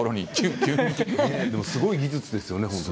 でもすごい技術ですね。